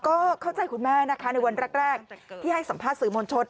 ก็เข้าใจคุณแม่นะคะในวันแรกที่ให้สัมภาษณ์สื่อมวลชน